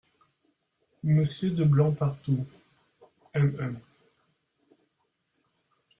Monsieur DE BLANCPARTOUT MM.